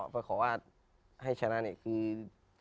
เพราะว่าให้ชนะเนี่ยคือ